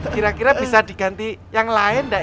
kira kira bisa diganti yang lain gak ya